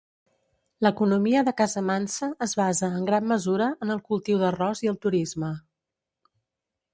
L'economia de Casamance es basa, en gran mesura, en el cultiu d'arròs i el turisme.